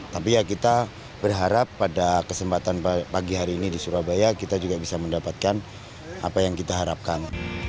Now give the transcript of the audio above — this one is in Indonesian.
tapi ya kita berharap pada kesempatan pagi hari ini di surabaya kita juga bisa mendapatkan apa yang kita harapkan